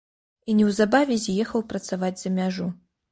І неўзабаве з'ехаў працаваць за мяжу.